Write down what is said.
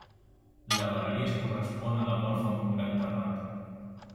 La galeria es correspon a la golfa amb un gran terrat.